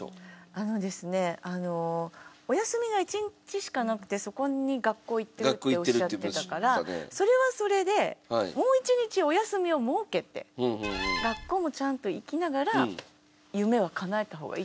あのですねお休みが１日しかなくてそこに学校行ってるっておっしゃってたからそれはそれでもう１日お休みを設けて学校もちゃんと行きながら夢はかなえた方がいいと思います。